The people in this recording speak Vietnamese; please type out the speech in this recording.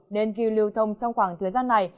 nên kỳ lưu thông trong khoảng thời gian này